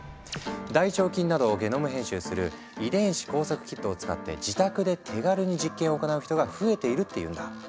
大腸菌などをゲノム編集する「遺伝子工作キット」を使って自宅で手軽に実験を行う人が増えているっていうんだ。